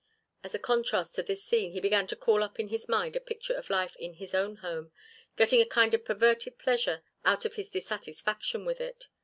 As a contrast to this scene he began to call up in his mind a picture of life in his own home, getting a kind of perverted pleasure out of his dissatisfaction with it.